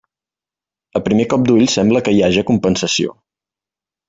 A primer colp d'ull, sembla que hi haja compensació.